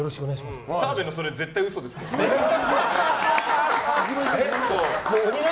澤部のそれ、絶対嘘ですよ。